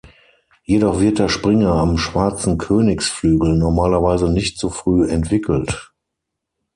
Jedoch wird der Springer am schwarzen Königsflügel normalerweise nicht so früh entwickelt.